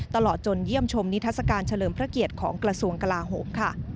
ตลอดจนเยี่ยมชมนิทัศกาลเฉลิมพระเกียรติของกระทรวงกลาโหมค่ะ